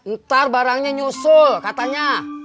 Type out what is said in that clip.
ntar barangnya nyusul katanya